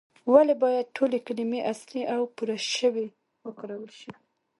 ولې باید ټولې کلمې اصلي او پورشوي وکارول شي؟